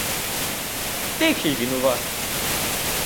Тихий він у вас!